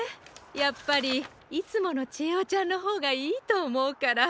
やっぱりいつものちえおちゃんのほうがいいとおもうから。